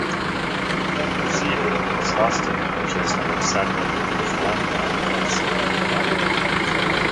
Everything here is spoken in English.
The seder was hosted by Jason Alexander on the fourth night of Passover.